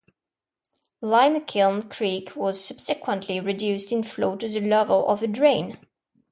Limekiln creek was subsequently reduced in flow to the level of a drain.